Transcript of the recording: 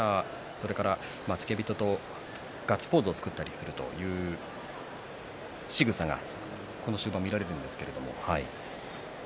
それから付け人とガッツポーズを作ったりするというしぐさが終盤見られます。